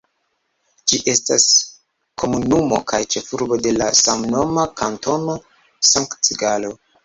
Ĝi estas komunumo kaj ĉefurbo de la samnoma Kantono Sankt-Galo.